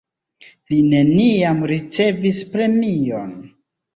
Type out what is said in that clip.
Li neniam ricevis premion.